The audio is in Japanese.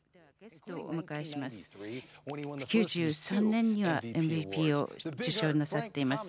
９３年にＭＶＰを受賞なさっています。